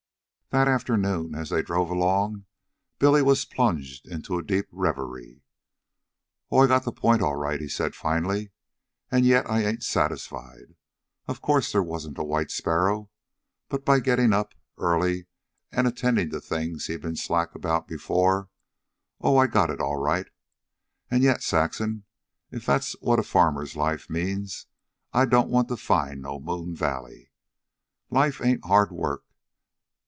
That afternoon, as they drove along, Billy was plunged in a deep reverie. "Oh, I got the point all right," he said finally. "An' yet I ain't satisfied. Of course, they wasn't a white sparrow, but by getting up early an' attendin' to things he'd been slack about before oh, I got it all right. An' yet, Saxon, if that's what a farmer's life means, I don't want to find no moon valley. Life ain't hard work.